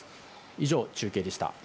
以上、中継でした。